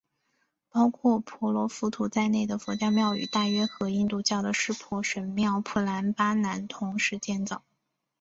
包括婆罗浮屠在内的佛教庙宇大约和印度教的湿婆神庙普兰巴南同时建造。